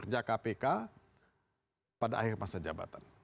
kerja kpk pada akhir masa jabatan